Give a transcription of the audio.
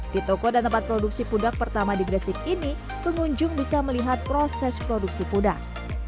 di toko dan tempat produksi pudak pertama di gresik ini pengunjung bisa melihat proses produksi pudak